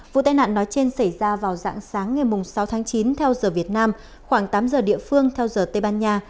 vụ tai nạn nói trên xảy ra vào dạng sáng ngày sáu tháng chín theo giờ việt nam khoảng tám giờ địa phương theo giờ tây ban nha